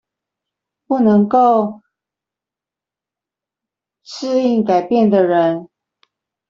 不能夠適應改變的人